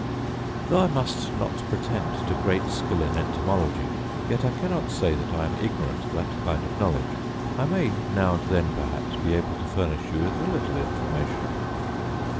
Though I must not pretend to great skill in entomology, yet I cannot say that I am ignorant of that kind of knowledge: I may now and then, perhaps, be able to furnish you with a little information.